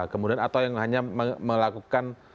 kemudian atau yang hanya melakukan